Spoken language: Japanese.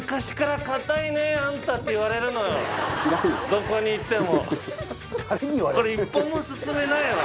どこに行っても。